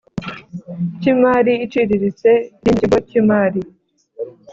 cy imari iciriritse ikindi kigo cy imari